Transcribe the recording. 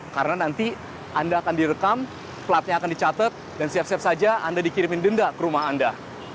karena nanti anda akan direkam platnya akan dicatat dan siap siap saja anda dikirimin denda ke rumah anda